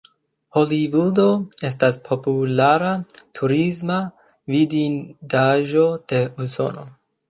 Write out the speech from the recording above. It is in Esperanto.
Holivudo estas populara turisma vidindaĵo de Usono.